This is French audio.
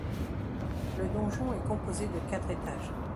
Le donjon est composé de quatre étages.